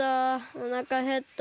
おなかへった。